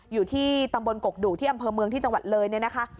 อยู่ที่ตำบลกกดุที่อำเภอเมืองที่จังหวัดเลยเนี่ยนะคะ